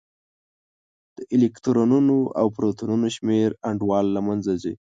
د الکترونونو او پروتونونو شمېر انډول له منځه ځي.